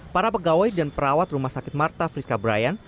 para pegawai dan perawat rumah sakit marta friska brian